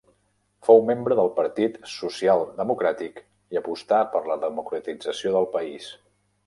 Fou membre del Partit Social Democràtic i apostà per la democratització del país.